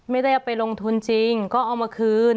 ไม่ได้เอาไปลงทุนจริงก็เอามาคืน